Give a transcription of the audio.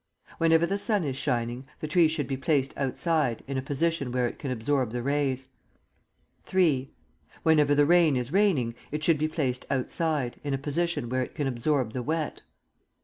Whenever the sun is shining, the tree should be placed outside, in a position where it can absorb the rays. III. Whenever the rain is raining, it should be placed outside, in a position where it can absorb the wet.